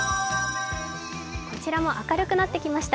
こちらも明るくなってきました。